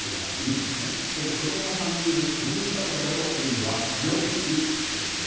でも子供が３人いる５人家族だとＮは４になります。